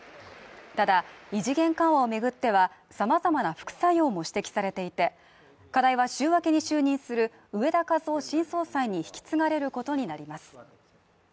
ただ、異次元緩和を巡っては、様々な副作用も指摘されていて、課題は週明けに就任する植田和男新総裁に引き継がれることになります。